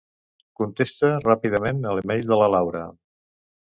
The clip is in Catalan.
Contesta ràpidament el mail de la Laura.